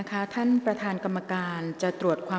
กรรมการท่านที่สี่ได้แก่กรรมการใหม่เลขเก้า